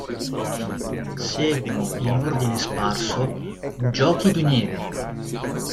Seguono, in ordine sparso, "Giochi di neve!